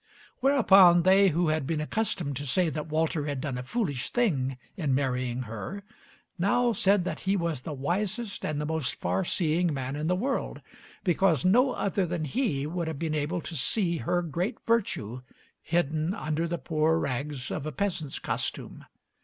Whereupon they who had been accustomed to say that Walter had done a foolish thing in marrying her, now said that he was the wisest and the most far seeing man in the world, because no other than he would have been able to see her great virtue hidden under the poor rags of a peasant's costume.